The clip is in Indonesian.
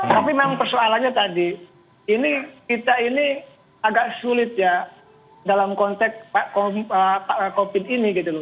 tapi memang persoalannya tadi ini kita ini agak sulit ya dalam konteks covid ini gitu loh